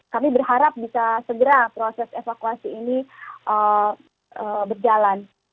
kami berharap bisa segera proses evakuasi ini berjalan